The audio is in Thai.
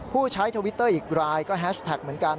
ผู้ใช้ทวิตเตอร์อีกรายก็แฮชแท็กเหมือนกัน